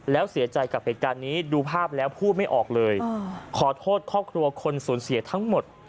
แล้วเสียใจกับเหตุการณ์นี้ดูภาพแล้วพูดไม่ออกเลยขอโทษครอบครัวคนสูญเสียทั้งหมด